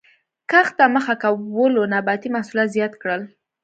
کښت ته مخه کولو نباتي محصولات زیات کړل